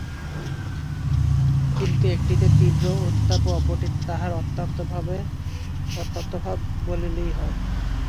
কিন্তু একটিতে তীব্র উত্তাপ ও অপরটিতে তাহার অত্যন্তাভাব বলিলেই হয়।